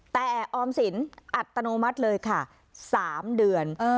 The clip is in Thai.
แต่ออมสินอัตโนมัติเลยค่ะ๓เดือน